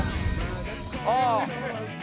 ああ。